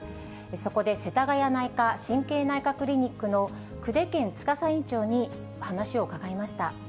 そこでせたがや内科・神経内科クリニックの久手堅司院長に話を伺いました。